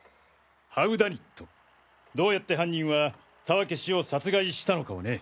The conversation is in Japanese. ハウダニットどうやって犯人は田分氏を殺害したのかをね。